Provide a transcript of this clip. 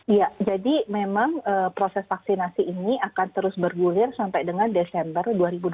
iya jadi memang proses vaksinasi ini akan terus bergulir sampai dengan desember dua ribu dua puluh